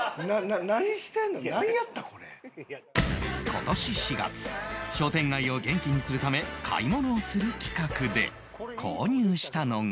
今年４月商店街を元気にするため買い物をする企画で購入したのが